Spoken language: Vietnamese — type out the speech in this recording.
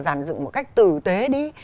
giàn dựng một cách tử tế đi